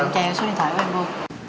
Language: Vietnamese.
em che số điện thoại của em vô